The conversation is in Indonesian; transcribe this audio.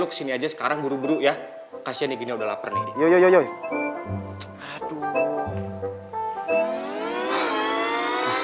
disini aja sekarang buru buru ya kasih ini gini udah lapar nih yoyoi aduh